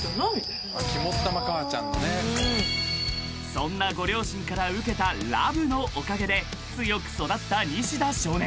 ［そんなご両親から受けたＬＯＶＥのおかげで強く育った西田少年］